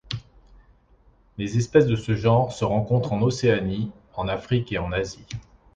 Les espèces de ce genre se rencontrent en Océanie, en Afrique et en Asie.